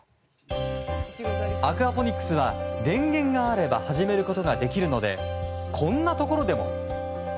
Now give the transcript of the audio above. アクアポニックスは電源があれば始めることができるのでこんなところでも。